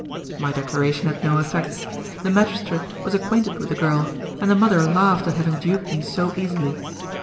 My declaration had no effect. The magistrate was acquainted with the girl, and the mother laughed at having duped me so easily.